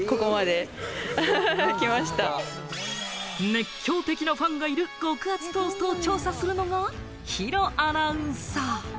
熱狂的なファンがいる極厚トーストを調査するのが弘アナウンサー。